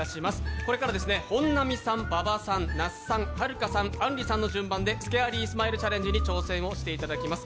これから本並さん、馬場さんはるかさん、あんりさんの順でスケアリースマイルチャレンジに挑戦していただきます。